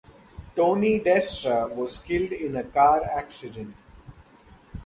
Tony Destra was killed in a car accident.